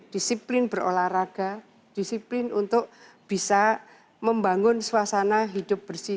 disiplin berolahraga disiplin untuk bisa membangun suasana hidup bersih